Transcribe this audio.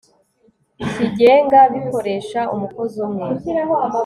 cyigenga bikoresha umukozi umwe